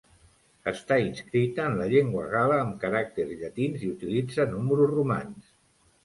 Està inscrita en la llengua gala amb caràcters llatins i utilitza números romans.